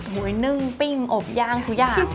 นึ่งปิ้งอบย่างทุกอย่าง